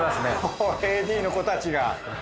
もうＡＤの子たちが。